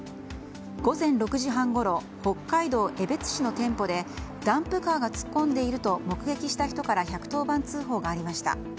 午前６時半ごろ北海道江別市の店舗でダンプカーが突っ込んでいると目撃した人から１１０番通報がありました。